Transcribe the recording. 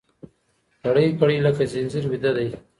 كړۍ، كـړۍ لكه ځنځير ويـده دی